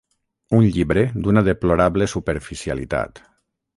Un llibre d'una deplorable superficialitat.